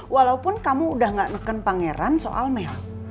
walaupun kamu udah gak neken pangeran soal mel